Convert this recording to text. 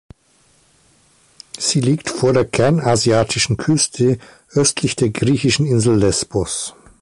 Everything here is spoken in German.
Sie liegt vor der kleinasiatischen Küste östlich der griechischen Insel Lesbos.